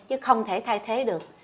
chứ không thể thay thế được